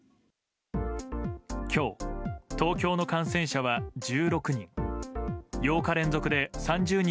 今日、東京の感染者は１６人。